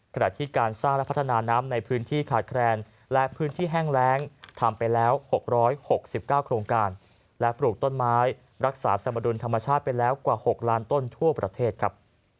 ขณะที่การสร้างและพัฒนาน้ำในพื้นที่ขาดแคลนและพื้นที่แห้งแรงทำไปแล้ว๖๖๙โครงการและปลูกต้นไม้รักษาสมดุลธรรมชาติไปแล้วกว่า๖ล้านต้นทั่วประเทศครับ